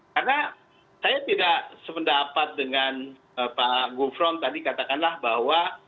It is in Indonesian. karena saya tidak sependapat dengan pak gufron tadi katakanlah bahwa